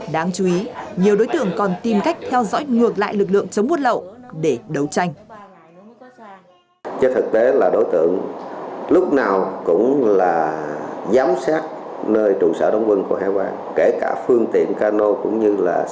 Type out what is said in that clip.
đáng chú ý nhiều đối tượng còn tìm cách theo dõi ngược lại lực lượng chống buôn lậu để đấu tranh